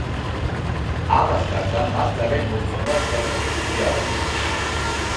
ამას გარდა მას ძალიან მოსწონდა თეატრში სიარულიც.